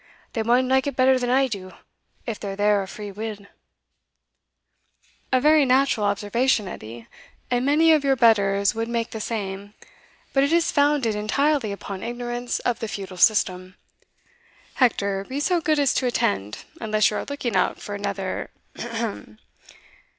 they maun like it better than I do, if they're there o' free will." "A very natural observation, Edie, and many of your betters would make the same; but it is founded entirely upon ignorance of the feudal system. Hector, be so good as to attend, unless you are looking out for another Ahem!"